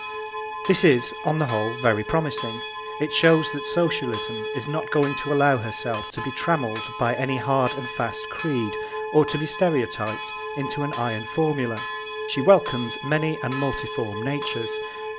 This is, on the whole, very promising. It shows that Socialism is not going to allow herself to be trammelled by any hard and fast creed or to be stereotyped into an iron formula. She welcomes many and multiform natures.